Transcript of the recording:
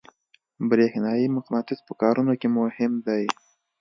برېښنایي مقناطیس په کارونو کې مهم دی.